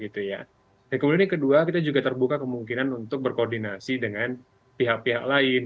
dan kemudian ini kedua kita juga terbuka kemungkinan untuk berkoordinasi dengan pihak pihak lain